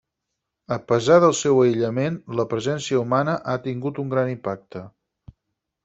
A pesar del seu aïllament, la presència humana ha tingut un gran impacte.